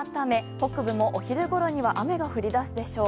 北部も、お昼ごろには雨が降り出すでしょう。